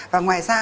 và ngoài ra